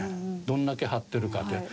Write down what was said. どんだけ張ってるかという。